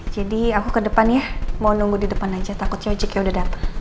jadi aku ke depan ya mau nunggu di depan aja takutnya ojeknya udah dateng